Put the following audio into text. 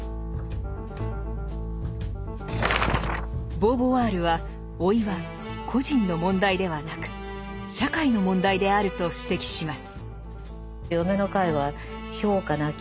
ボーヴォワールは老いは個人の問題ではなく社会の問題であると指摘します。